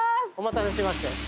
「お待たせしまして」